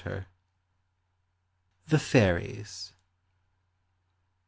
THE FAIRIES.